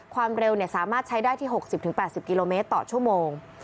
ความเร็วสามารถใช้ได้ที่๖๐๘๐กิโลเมตรต่อชั่วโมง